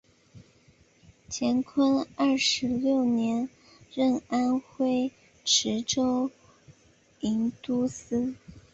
乾隆六十年任安徽池州营都司。